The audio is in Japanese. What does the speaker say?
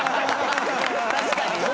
確かに！